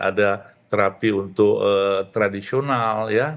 ada terapi untuk tradisional ya